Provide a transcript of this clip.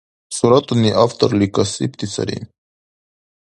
Суратуни авторли касибти сари.